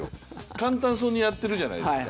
簡単そうにやってるじゃないですか。